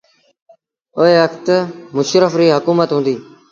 اُئي وکت مشرڦ ريٚ هڪومت هُݩديٚ۔